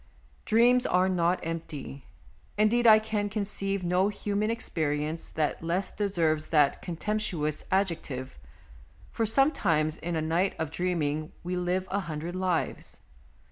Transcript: Dreams are not empty ; indeed, I can conceive no human experience that less deserves that contemp tuous adjective, for sometimes in a night of dreaming we live a hundred lives.